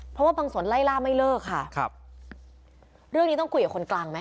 เพราะว่าบางส่วนไล่ล่าไม่เลิกค่ะครับเรื่องนี้ต้องคุยกับคนกลางไหม